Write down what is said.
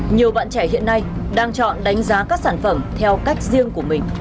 nhiều bạn trẻ hiện nay đang chọn đánh giá các sản phẩm theo cách riêng của mình